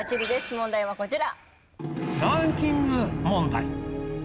問題はこちら。